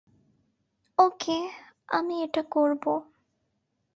ওকে, আমি ওটা করব।